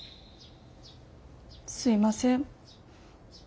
すいません。